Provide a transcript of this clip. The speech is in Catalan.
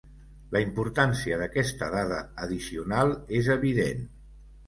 La importància d'aquesta dada addicional és evident.